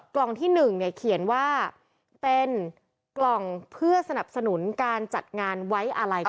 กล่องที่๑เขียนว่าเป็นกล่องเพื่อสนับสนุนการจัดงานไว้อะไร